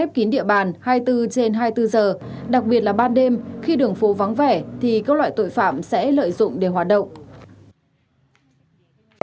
khép kín địa bàn hai mươi bốn trên hai mươi bốn giờ đặc biệt là ban đêm khi đường phố vắng vẻ thì các loại tội phạm sẽ lợi dụng để hoạt động